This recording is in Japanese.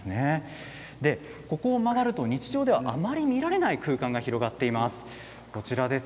ここを曲がると日常ではあまり見られない空間が広がっています。